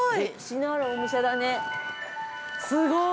すごい。